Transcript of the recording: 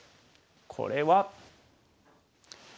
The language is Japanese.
これは。